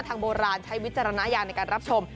โบราณใช้วิจารณญาณในการรับชม